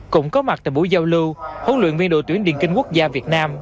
cũng có mặt tại buổi giao lưu huấn luyện viên đội tuyển điền kinh quốc gia việt nam